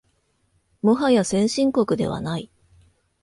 もはや先進国ではない